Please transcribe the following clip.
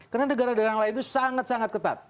karena negara negara yang lain itu sangat sangat ketat